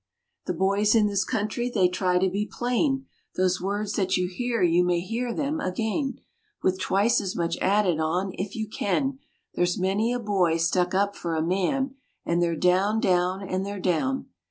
The boys in this country they try to be plain, Those words that you hear you may hear them again, With twice as much added on if you can. There's many a boy stuck up for a man, And they're down, down, and they're down.